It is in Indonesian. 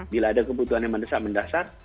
bila ada kebutuhan yang mendesak mendasar